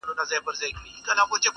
راسه چي له ځان سره ملنګ دي کم؛